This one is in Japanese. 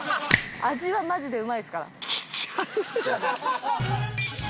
味はマジでうまいっすから。